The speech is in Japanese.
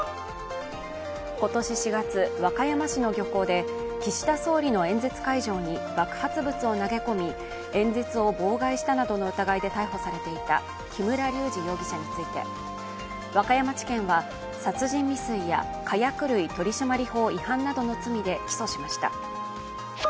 今年４月、和歌山市の漁港で岸田総理の演説会場に爆発物を投げ込み演説を妨害したなどの疑いで逮捕されていた木村隆二容疑者について和歌山地検は殺人未遂や火薬類取締法違反などの罪で起訴しました。